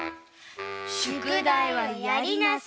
しゅくだいはやりなさい！